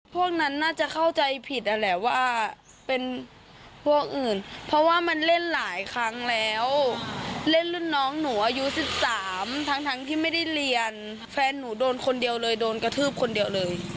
พวกนั้นน่าจะเข้าใจผิดนั่นแหละว่าเป็นพวกอื่นเพราะว่ามันเล่นหลายครั้งแล้วเล่นรุ่นน้องหนูอายุ๑๓ทั้งที่ไม่ได้เรียนแฟนหนูโดนคนเดียวเลยโดนกระทืบคนเดียวเลย